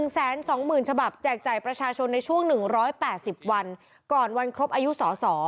๑๒๐๐๐ฉบับแจกจ่ายประชาชนในช่วง๑๘๐วันก่อนวันครบอายุสส